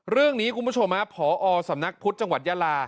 เรื่องนี้ครับคุณผู้ชมผสำนักพุธจังหวัดยลา